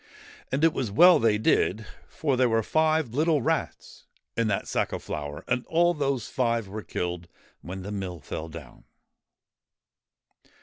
And it was well they did, for there were five little rats in that sack of flour, and all those five were killed when the mill fell down.